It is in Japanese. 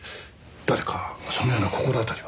誰かそのような心当たりは？